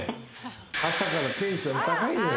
朝からテンション高いのよ。